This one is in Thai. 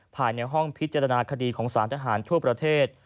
ภายในห้องพิจารณาคดีของสารทหารทั่วประเทศ